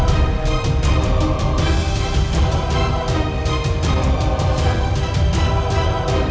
berterima kasihlah kepada aku nanti